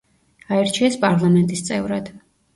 აირჩიეს პარლამენტის წევრად.